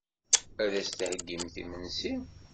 Ad d-theyyimt imensi.